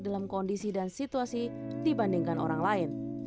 dalam kondisi dan situasi dibandingkan orang lain